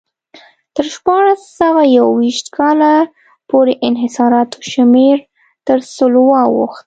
تر شپاړس سوه یو ویشت کال پورې انحصاراتو شمېر تر سلو واوښت.